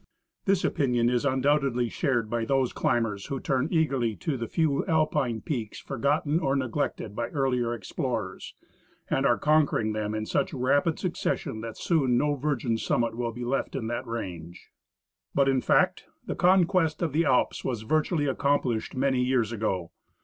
^ This opinion is undoubtedly shared by those climbers who turn eagerly to the few Alpine peaks forgotten or neglected by earlier explorers, and are conquering them in such rapid succession that soon no virgin summit will be left in that range. But, in fact, the conquest of the Alps was virtually accomplished many years ago.